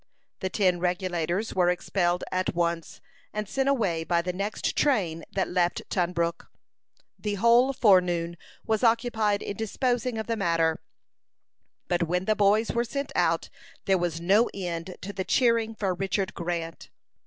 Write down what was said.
The ten Regulators were expelled at once, and sent away by the next train that left Tunbrook. The whole forenoon was occupied in disposing of the matter; but when the boys were sent out, there was no end to the cheering for Richard Grant.